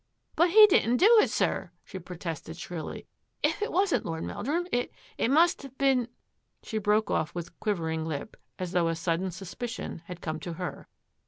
" But he didn't do it, sir," she protested shrilly. "If it wasn't Lord Meldrum, it — it must have been —" she broke off with quivering lip, as though a sudden suspicion had come to her.